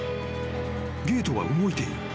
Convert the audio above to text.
［ゲートは動いている。